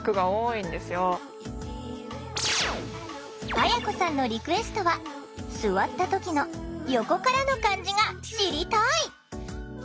あやこさんのリクエストは座った時の「横からの感じ」が知りたい！